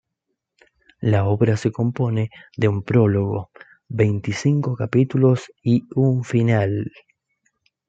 La obra se compone de un prólogo, veinticinco capítulos y un final.